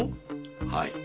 はい。